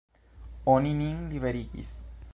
Oni nin liberigis.